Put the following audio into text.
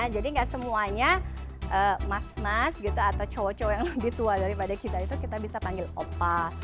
jadi nggak semuanya mas mas gitu atau cowok cowok yang lebih tua daripada kita itu kita bisa panggil oppa